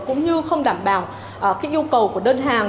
cũng như không đảm bảo yêu cầu của đơn hàng